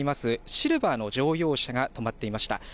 シルバーの乗用車が止まっていました。